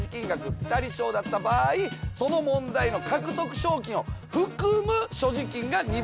ピタリ賞だった場合その問題の獲得賞金を含む所持金が２倍になります。